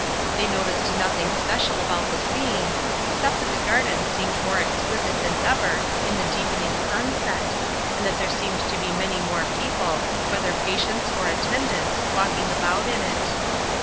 They noticed nothing special about the scene, except that the garden seemed more exquisite than ever in the deepening sunset, and that there seemed to be many more people, whether patients or attendants, walking about in it.